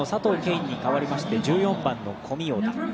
允に代わりまして１４番の小見洋太。